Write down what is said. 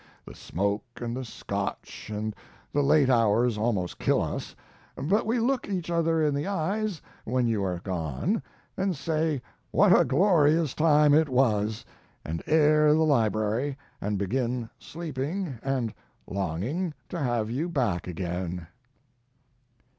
The smoke and the Scotch and the late hours almost kill us; but we look each other in the eyes when you are gone, and say what a glorious time it was, and air the library, and begin sleeping and longing to have you back again....